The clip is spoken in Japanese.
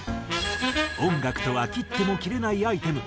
音楽とは切っても切れないアイテム